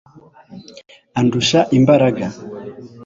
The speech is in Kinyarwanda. andusha imbaraga